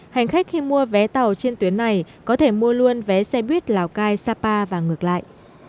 hành khách khi mua vé tàu trên tuyến này có thể mua luôn vé xe buýt lào cai sapa và ngược lại